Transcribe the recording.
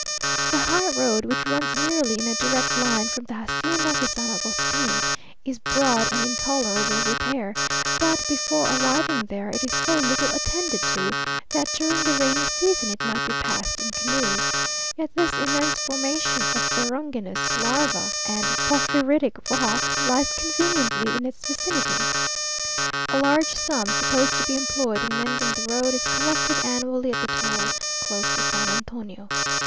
The high road, which runs nearly in a direct line from the hacienda to San Agustin, is broad and in tolerable repair; but before arriving there, it is so little attended to, that during the rainy season it might be passed in canoes; yet this immense formation of ferruginous larva and porphyritic rock lies conveniently in its vicinity. A large sum, supposed to be employed in mending the road, is collected annually at the toll, close to San Antonio.